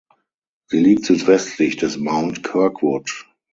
Sie liegt südwestlich des Mount Kirkwood.